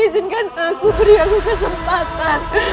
izinkan aku beri aku kesempatan